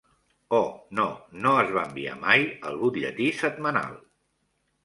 Oh, no, no es va enviar mai el butlletí setmanal!